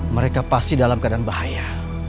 mereka pasti dalam keadaan bahaya